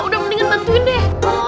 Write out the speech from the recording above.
udah mendingan bantuin deh